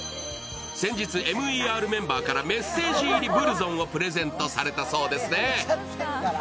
先日、ＭＥＲメンバーからメッセージ入りブルゾンをプレゼントされたそうですね。